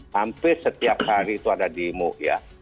hampir setiap hari itu ada demo ya